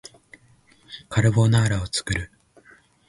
カルボナーラを作る